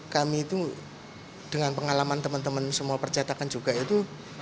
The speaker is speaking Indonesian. kami itu dengan pengalaman teman teman semua percetakan juga itu